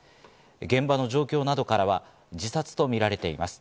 現場の状況などからは自殺とみられています。